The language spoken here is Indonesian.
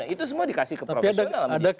itu semua dikasih ke profesional